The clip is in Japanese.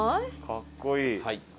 かっこいい！